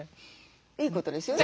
いいことですよね。